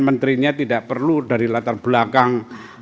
menterinya tidak perlu dari latar belakang